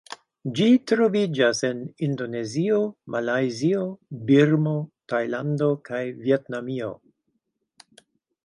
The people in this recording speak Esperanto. Ĝi troviĝas en Indonezio, Malajzio, Birmo, Tajlando kaj Vjetnamio.